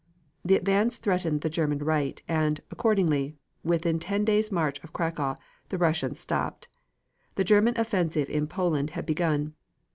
The advance threatened the Russian right, and, accordingly, within ten days' march of Cracow, the Russians stopped. The German offensive in Poland had begun.